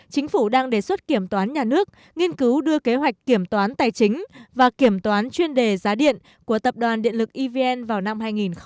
chính phủ đang đề xuất kiểm toán nhà nước nghiên cứu đưa kế hoạch kiểm toán tài chính và kiểm toán chuyên đề giá điện của tập đoàn điện lực evn vào năm hai nghìn hai mươi